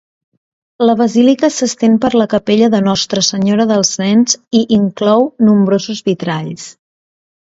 La basílica s'estén per la capella de Nostre Senyora dels nens i inclou nombrosos vitralls.